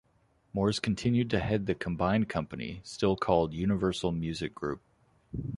Morris continued to head the combined company, still called Universal Music Group.